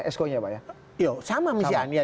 esko nya pak ya iya sama misalnya